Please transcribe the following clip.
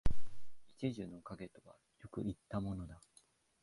一樹の蔭とはよく云ったものだ